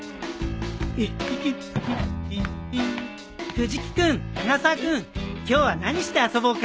藤木君永沢君今日は何して遊ぼうか？